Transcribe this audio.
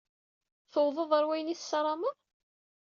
Tewwḍeḍ ɣer wayen i tessarameḍ?